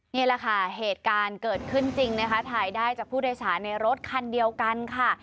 นี่แหละค่ะเหตุการณ์เกิดขึ้นจริงนะคะถ่ายได้จากผู้โดยสารในรถคันเดียวกันค่ะ